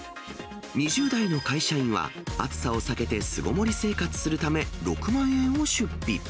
２０代の会社員は、暑さを避けて、巣ごもり生活するため、６万円を出費。